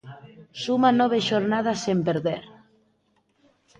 Suma nove xornadas sen perder.